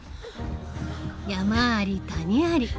山あり谷あり。